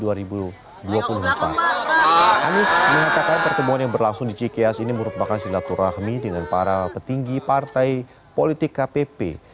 anies mengatakan pertemuan yang berlangsung di cikias ini merupakan silaturahmi dengan para petinggi partai politik kpp